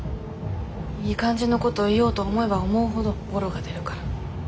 いい感じのこと言おうと思えば思うほどぼろが出るから。